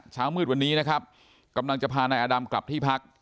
เช้ามืดวันนี้นะครับกำลังจะพานายอดำกลับที่พัก